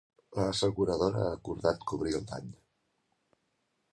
La asseguradora ha acordat cobrir el dany.